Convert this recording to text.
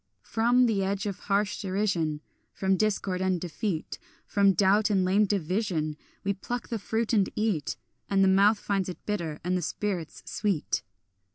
From the edge of harsh derision, From discord and defeat, From doubt and lame division, We pluck the fruit and eat; And the mouth finds it bitter, and the spirit sweet.